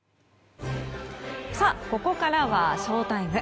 ここからはＳＨＯＴＩＭＥ。